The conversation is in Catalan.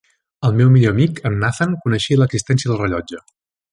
El seu millor amic, en Nathan, coneixia l'existència del rellotge.